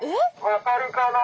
分かるかな？